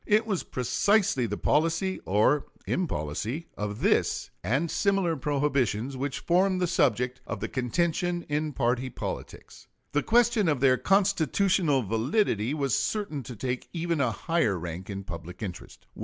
It was precisely the policy, or impolicy, of this and similar prohibitions which formed the subject of contention in party politics. The question of their constitutional validity was certain to take even a higher rank in public interest.